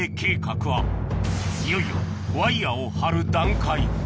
いよいよワイヤを張る段階